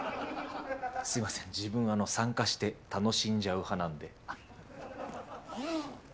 すいません自分参加して楽しんじゃう派なんで。